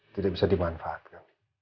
tidak bisa dimanfaatkan